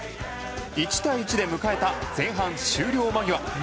１対１で迎えた前半終了間際。